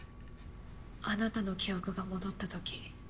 あなたの記憶が戻ったとき。